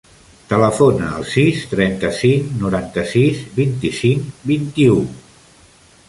Telefona al sis, trenta-cinc, noranta-sis, vint-i-cinc, vint-i-u.